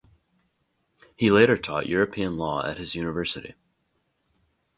He later taught European Law at his university.